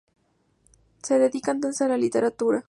Se dedica entonces a la literatura.